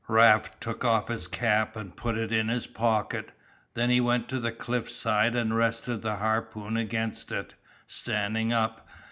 Raft took off his cap and put it in his pocket, then he went to the cliff side and rested the harpoon against it, standing up.